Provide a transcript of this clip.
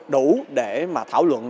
đủ để mà thảo luận